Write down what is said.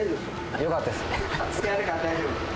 よかったです。